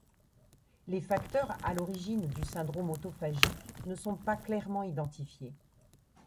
Les facteurs à l'origine du syndrome autophagique ne sont pas clairement identifiés.